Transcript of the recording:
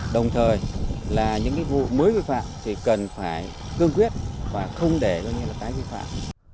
đồng thời là những vụ mới vi phạm thì cần phải cương quyết và không để doanh nghiệp tái vi phạm